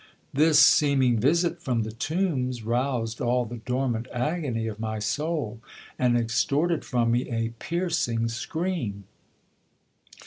This seeming visit from the tombs roused all the dormant agony of my soul, and extorted from me a piercing scream.